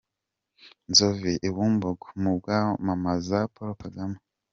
Nzovu i Bumbogo mu kwamamaza Paul Kagame.